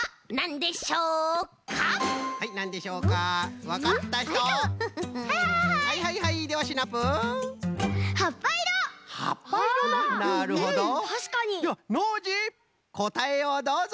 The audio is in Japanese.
ではノージーこたえをどうぞ！